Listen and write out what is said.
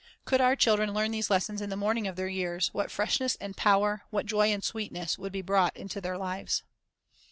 1 Could our children learn these lessons in the morning of their years, what fresh ness and power, what joy and sweetness, would be brought into their lives!